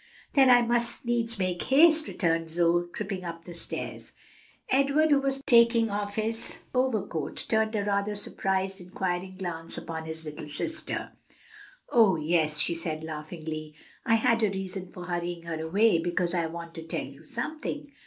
"Then I must needs make haste," returned Zoe, tripping up the stairs. Edward, who was taking off his overcoat, turned a rather surprised, inquiring glance upon his little sister. "Oh, yes," she said laughingly, "I had a reason for hurrying her away, because I want to tell you something.